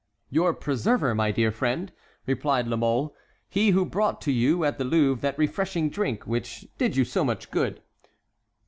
"Your preserver, my dear friend," replied La Mole; "he who brought to you at the Louvre that refreshing drink which did you so much good."